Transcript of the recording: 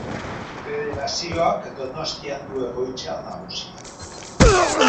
Federazioak Donostian du egoitza nagusia.